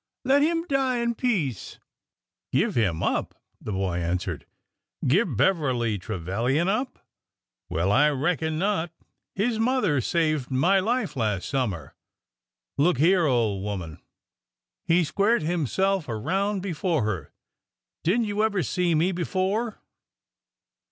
Let him die in peace !"" Give him up ?" the boy answered. " Give Beverly Trevilian up? Well, I reckon not! His mother saved my life last summer. Look here, old woman !" He squared himself around before her. " Did n't you ever see me before